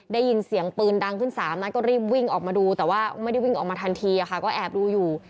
ได้ยินเสียงปืนดังขึ้น๓นัดก็รีบวิ่งออกมาดูแต่ว่าไม่ได้วิ่งออกมาทันทีค่ะก็แอบดูอยู่